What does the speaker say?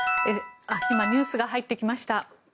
今、ニュースが入ってきました。